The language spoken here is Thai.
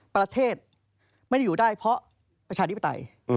ประเทศไม่ได้อยู่ได้เพราะประชาธิปไตย